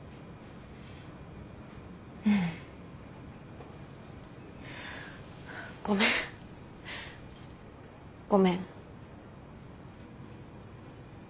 ううん。ごめんごめん。